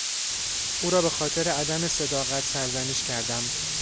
او را به خاطر عدم صداقت سرزنش کردم.